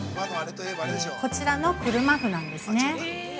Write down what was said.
こちらの車麩なんですね。